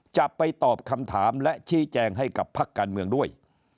จะไปตอบคำถามและชี้แจงให้กับพักการเมืองด้วย